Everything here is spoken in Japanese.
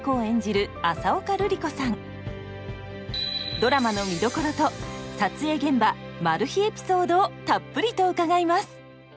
ドラマの見どころと撮影現場エピソードをたっぷりと伺います。